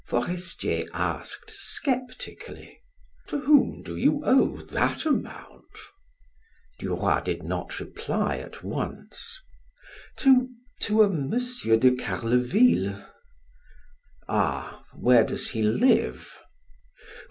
Forestier asked sceptically: "To whom do you owe that amount?" Duroy did not reply at once. "To to a M. de Carleville." "Ah, where does he live?"